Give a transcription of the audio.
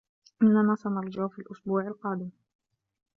إنّنا سنرجع في الأسبوع القادم.